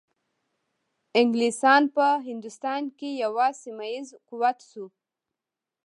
انګلیسان په هندوستان کې یو سیمه ایز قوت شو.